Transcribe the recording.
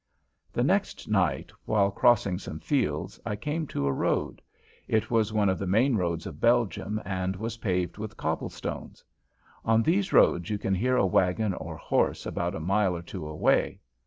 The next night while crossing some fields I came to a road. It was one of the main roads of Belgium and was paved with cobblestones. On these roads you can hear a wagon or horse about a mile or two away.